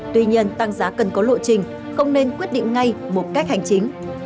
tuy nhiên tăng giá cần có lộ trình không nên quyết định ngay một cách hành chính